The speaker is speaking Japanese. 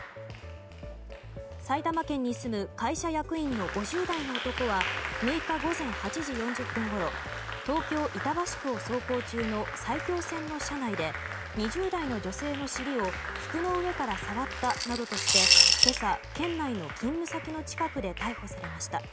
埼玉県に住む会社役員の５０代の男は６日午前８時４０分ごろ東京・板橋区を走行中の埼京線の車内で２０代の女性の尻を服の上から触ったなどとして今朝、県内の勤務先の近くで逮捕されました。